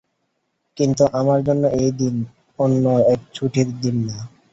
কিন্তু আমার জন্য এই দিন অন্য এক ছুটির দিন না।